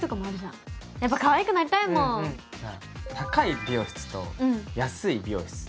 高い美容室と安い美容室